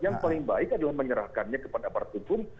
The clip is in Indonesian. yang paling baik adalah menyerahkannya kepada aparat hukum